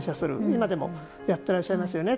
今でもやっていらっしゃいますよね